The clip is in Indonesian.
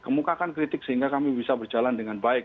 kemukakan kritik sehingga kami bisa berjalan dengan baik